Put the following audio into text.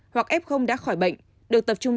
hoặc f đã khỏi bệnh được tập trung